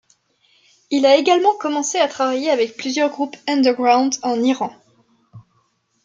Il a également commencé à travailler avec plusieurs groupes underground en Iran.